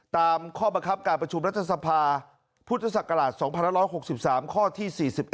ตามข้อบังคับการประชุมรัฐสภาพุทธศักราช๒๑๖๓ข้อที่๔๑